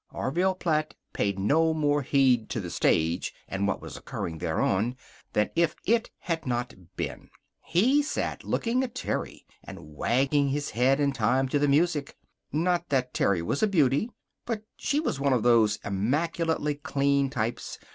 Orville Platt paid no more heed to the stage, and what was occurring thereon, than if it had not been. He sat looking at Terry, and waggling his head in time to the music. Not that Terry was a beauty. But she was one of those immaculately clean types.